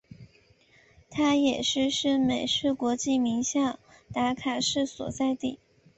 它也是是美式国际名校达卡市所在地。